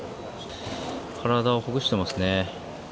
体をほぐしてますね。